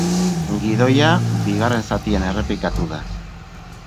Gidoia bigarren zatian errepikatu da.